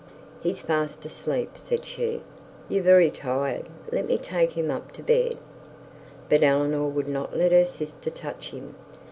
'He's fast asleep,' said she, 'you're very tired; let me take him up to bed.' But Eleanor would not let her sister touch him.